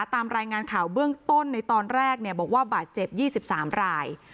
ตามรายงานข่าวเบื้องต้นในตอนแรกเนี่ยบอกว่าบาดเจ็บยี่สิบสามราย